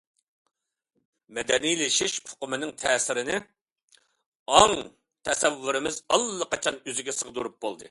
مەدەنىيلىشىش ئۇقۇمىنىڭ تەسىرىنى ئاڭ، تەسەۋۋۇرىمىز ئاللىقاچان ئۆزىگە سىغدۇرۇپ بولدى.